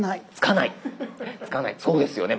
そうですよね